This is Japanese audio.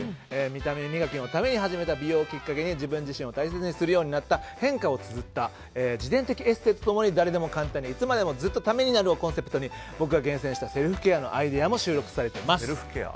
見た目磨きのために始めた美容をきっかけに自分自身を大切にするようになった変化をつづった自伝的エッセーとともに誰でも簡単にずっとためになるをコンセプトに僕が厳選したセルフケアのアイデアも凝縮されています。